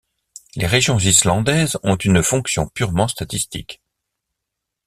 Les régions islandaises ont une fonction purement statistique.